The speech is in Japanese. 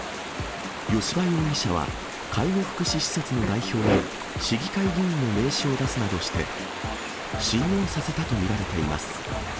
吉羽容疑者は介護福祉施設の代表に市議会議員の名刺を出すなどして、信用させたと見られています。